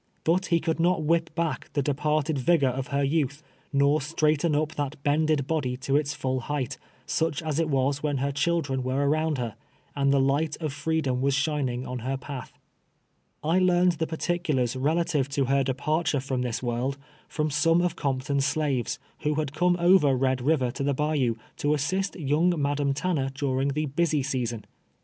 But he could not whip back the de parted vigor of her youth, nor straighten up that bend ed body to its full height, such as it was when her children were around her, and the light of freedom was shining on her path. I learned the particulars relative to her departure IGO TWELVE YEARS A SLAVE. from this world, from some of Compton's slaves, wlio Lad fonie over Eed lliver to tlic Lnyou, to assist youiii^' Madam Tanner durin<j^ the " busy season."